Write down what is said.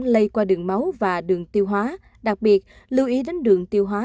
lây qua đường máu và đường tiêu hóa đặc biệt lưu ý đến đường tiêu hóa